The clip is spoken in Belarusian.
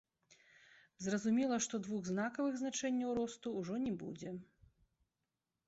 Зразумела, што двухзнакавых значэнняў росту ўжо не будзе.